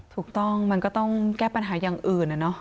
ถูกต้องมันก็ต้องแก้ปัญหาอย่างอื่นนะเนาะ